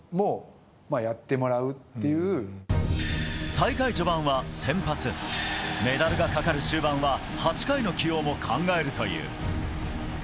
大会序盤は先発メダルがかかる終盤は８回の起用も考えるという。